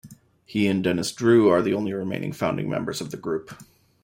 He and Dennis Drew are the only remaining founding members of the group.